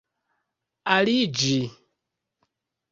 aliĝi